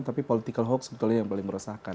tapi political hoax sebetulnya yang paling meresahkan